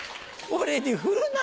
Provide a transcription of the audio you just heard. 俺に振るな。